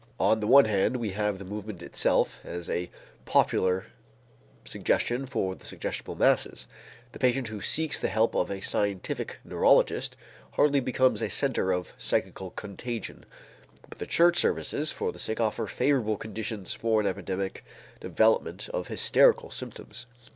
On the one hand we have the movement itself as a popular suggestion for the suggestible masses. The patient who seeks the help of a scientific neurologist hardly becomes a center of psychical contagion, but the church services for the sick offer favorable conditions for an epidemic development of hysterical symptoms.